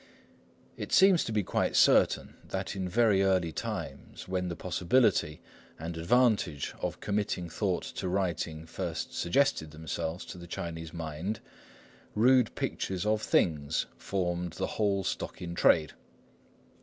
It seems to be quite certain that in very early times, when the possibility and advantage of committing thought to writing first suggested themselves to the Chinese mind, rude pictures of things formed the whole stock in trade.